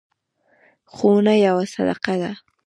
ښوونه یوه صدقه ده.